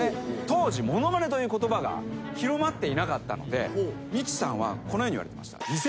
当時「ものまね」という言葉が広まっていなかったので三木さんはこのようにいわれてました。